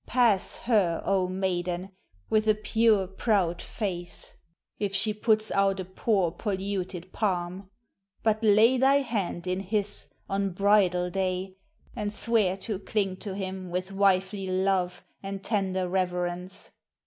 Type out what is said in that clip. Pass her, O maiden, with a pure, proud face, If she puts out a poor, polluted palm; But lay thy hand in his on bridal day, And swear to cling to him with wifely love And tender reverence.